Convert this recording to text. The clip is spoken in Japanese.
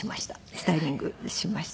スタイリングしました。